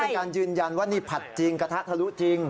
เป็นการยืนยันว่านี่ผัดจริงกระทะทะลุจริง